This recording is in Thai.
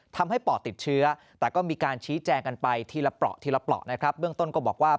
ทำให้ป่อติดเชื้อแต่ก็มีการชี้แจงกันไปทีละประเมืองต้นก็บอกว่า